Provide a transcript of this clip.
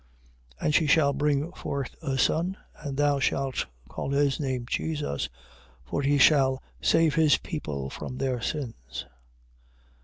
1:21. And she shall bring forth a son: and thou shalt call his name Jesus. For he shall save his people from their sins.